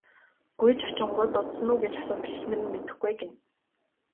Гүйж очингуут удсан уу гэж асуутал эхнэр нь мэдэхгүй ээ гэнэ.